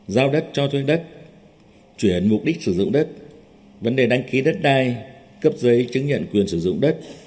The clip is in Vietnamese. giao đất cho thuê đất chuyển mục đích sử dụng đất vấn đề đăng ký đất đai cấp giấy chứng nhận quyền sử dụng đất